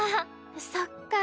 そっか。